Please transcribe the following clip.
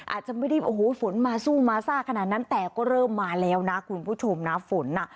อาจจะไม่ได้โอ้โหฝนมาสู้มาซ่าขนาดนั้นแต่ก็เริ่มมาแล้วนะคุณผู้ชมนะฝนอ่ะ